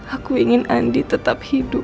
aku ingin andi tetap hidup